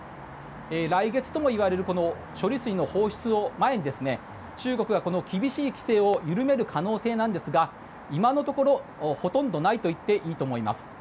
来月ともいわれる処理水の放出を前に中国は規制を緩める可能性なんですが今のところほとんどないといっていいと思います。